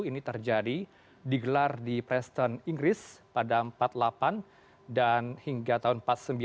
ini terjadi digelar di preston inggris pada seribu sembilan ratus empat puluh delapan dan hingga tahun seribu sembilan ratus empat puluh sembilan